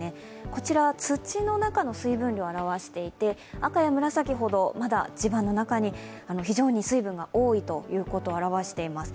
こちらは土の中の水分量を表していて赤や紫ほどまだ地盤の中に非常に水分が多いということを表しています。